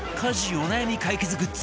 お悩み解決グッズ